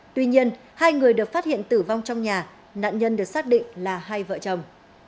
tuy nhiên hai người được phát hiện tử vong trong nhà nạn nhân được xác định là hai vợ chồng